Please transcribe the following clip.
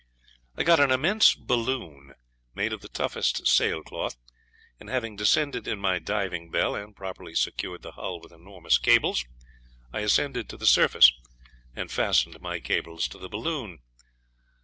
I got an immense balloon, made of the toughest sail cloth, and having descended in my diving bell, and properly secured the hull with enormous cables, I ascended to the surface, and fastened my cables to the balloon.